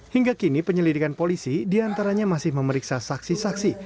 hingga kini penyelidikan polisi diantaranya masih memeriksa saksi saksi